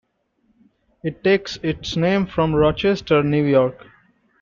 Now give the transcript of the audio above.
It takes its name from Rochester, New York.